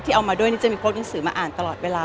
เอามาด้วยนี่จะมีโพสต์หนังสือมาอ่านตลอดเวลา